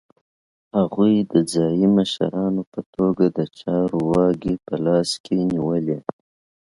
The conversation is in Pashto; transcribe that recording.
هغوی د ځايي مشرانو په توګه د چارو واګې په لاس کې نیولې.